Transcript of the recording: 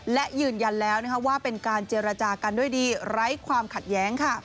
และยืนยันแล้วว่าเป็นการเจรจากันด้วยดีไร้ความขัดแย้งค่ะ